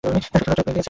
শত্রুরা টের পেয়ে গেছে।